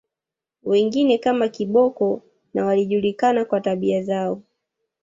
Wengine kama Kiboko na walijulikana kwa tabia zao